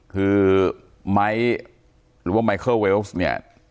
คือไมค์หรือว่าไมเคอร์เวลส์เนี่ย